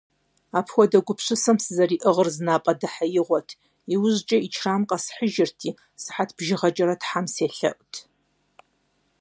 Апхуэдэ гупсысэм сызэриӀыгъыр зы напӀэдэхьеигъуэт, иужькӀэ Ӏичрам къэсхьыжырти, сыхьэт бжыгъэкӀэрэ Тхьэ селъэӀурт!